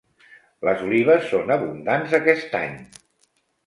Les olives són abundants aquest any.